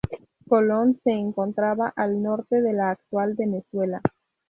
Colón se encontraba al norte de la actual Venezuela.